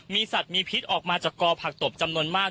มีสัตว์มีพิษออกมาจากกอผักตบจำนวนมาก